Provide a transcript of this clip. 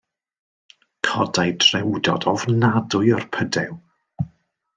Codai drewdod ofnadwy o'r pydew.